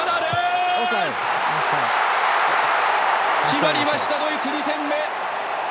決まりましたドイツ２点目！